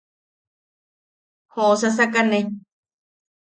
Joʼosasakane.